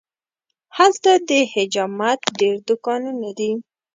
هلته د حجامت ډېر دوکانونه دي.